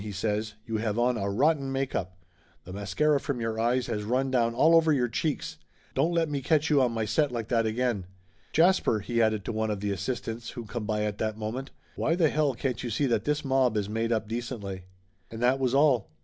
he says. "You have on a rotten make up. The mascara from your eyes has run down all over your cheeks. Don't let me catch you on my set like that again. Jasper!" he added to one of the assistants who come by at that moment. "Why the hell can't you see that this mob is made up decently ?" And that was all.